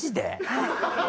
はい。